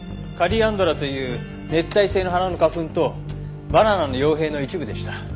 カリアンドラという熱帯性の花の花粉とバナナの葉柄の一部でした。